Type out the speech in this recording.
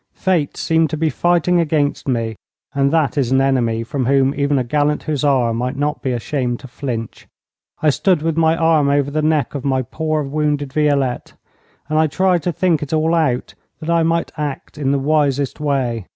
Fate seemed to be fighting against me, and that is an enemy from whom even a gallant hussar might not be ashamed to flinch. I stood with my arm over the neck of my poor wounded Violette, and I tried to think it all out, that I might act in the wisest way.